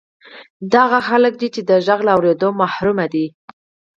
دا هغه خلک دي چې د غږ له اورېدو محروم دي